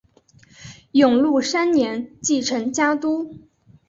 永禄三年继承家督。